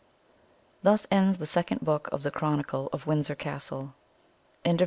THUS ENDS THE SECOND BOOK OF THE CHRONICLE OF WINDSOR CASTLE BOOK III.